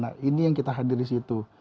nah ini yang kita hadir disitu